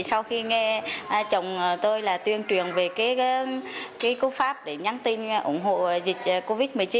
sau khi nghe chồng tôi là tuyên truyền về cái cố pháp để nhắn tin ủng hộ